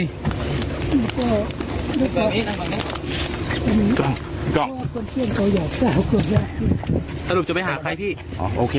ตลืมมันจะไปหาใครที่โอเค